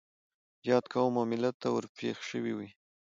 ياد قوم او ملت ته ور پېښ شوي وي.